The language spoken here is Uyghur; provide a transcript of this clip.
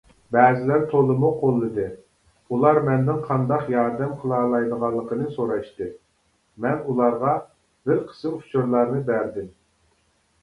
بەزىلەر تولىمۇ قوللىدى، ئۇلار مەندىن قانداق ياردەم قىلالايدىغانلىقىنى سوراشتى، مەن ئۇلارغا بىر قىسىم ئۇچۇرلارنى بەردىم.